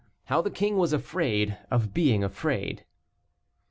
HOW THE KING WAS AFRAID OF BEING AFRAID.